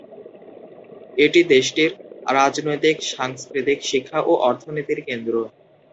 এটি দেশটির রাজনৈতিক, সাংস্কৃতিক, শিক্ষা ও অর্থনীতির কেন্দ্র।